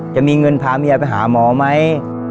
จะมีเงินพาเมียไปหาหมอไหม